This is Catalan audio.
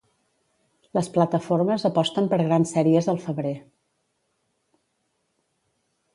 Les plataformes aposten per grans sèries al febrer.